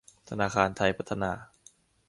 ธนาคารไทยพัฒนา